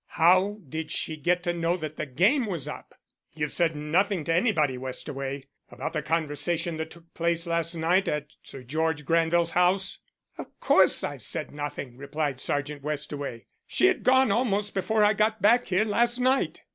How did she get to know that the game was up? You've said nothing to anybody, Westaway, about the conversation that took place last night at Sir George Granville's house?" "Of course I've said nothing," replied Sergeant Westaway. "She had gone almost before I got back here last night."